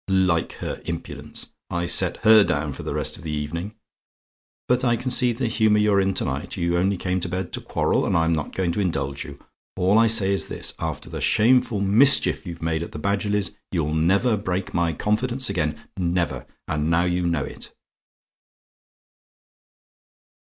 Like her impudence! I set HER down for the rest of the evening. But I can see the humour you're in to night. You only came to bed to quarrel, and I'm not going to indulge you. All I say is this, after the shameful mischief you've made at the Badgerlys', you never break my confidence again. Never and now you know it."